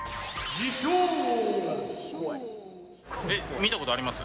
見たことあります？